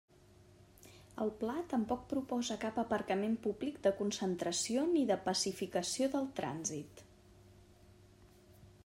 El Pla tampoc proposa cap aparcament públic de concentració ni de pacificació del trànsit.